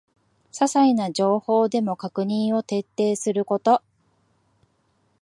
ささいな情報でも確認を徹底すること